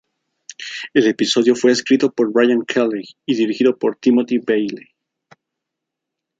El episodio fue escrito por Brian Kelley y dirigido por Timothy Bailey.